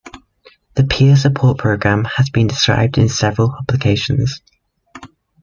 The peer support program has been described in several publications.